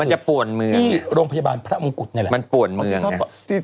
มันจะปวดเมืองที่โรงพยาบาลพระองค์กุฎนี่แหละมันปวดเมืองเนี้ย